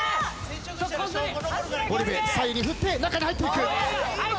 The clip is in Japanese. ゴリ部左右に振って中に入っていく！